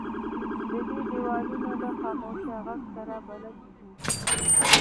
دی د دیوالونو له خاموشه غږ سره بلد و.